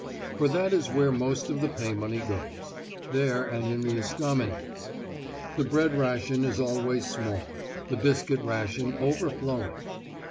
For that is where most of the pay money goes, there and in the estaminets. The bread ration is always small, the biscuit ration overflowing.